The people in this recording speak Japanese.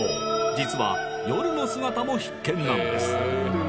実は夜の姿も必見なんです